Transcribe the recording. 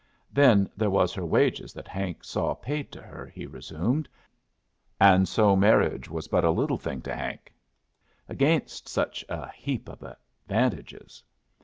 "Then there was her wages that Hank saw paid to her," he resumed. "And so marriage was but a little thing to Hank agaynst such a heap of advantages.